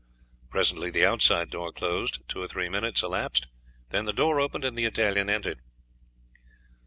Presently the outside door closed, two or three minutes elapsed; then the door opened and the Italian entered.